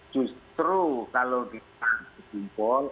justru kalau kita berkumpul